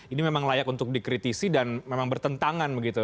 ini memang layak untuk dikritisi dan memang bertentangan begitu